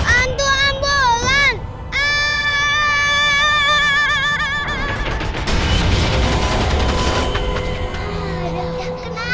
aduh ambulan ah